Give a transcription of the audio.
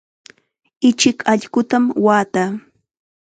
Ichik allqutam waataa.